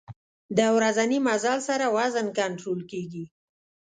د ورځني مزل سره وزن کنټرول کېږي.